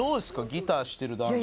ギターしてる男子は。